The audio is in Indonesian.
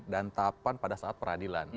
tahapan pada saat peradilan